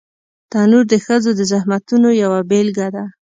تنور د ښځو د زحمتونو یوه بېلګه ده